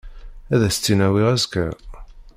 Ad as-tt-in-awiɣ azekka.